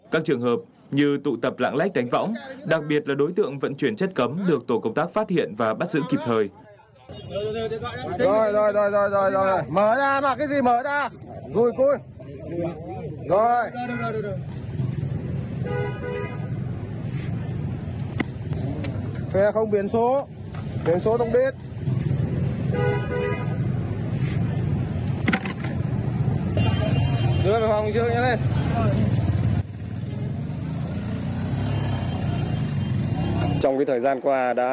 các trường hợp như tụ tập lãng lách đánh võng đặc biệt là đối tượng vận chuyển chất cấm được tổ công tác